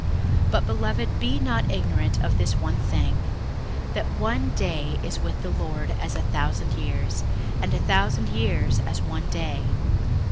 61:003:008 But, beloved, be not ignorant of this one thing, that one day is with the Lord as a thousand years, and a thousand years as one day.